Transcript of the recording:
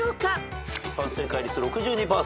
一般正解率６２％。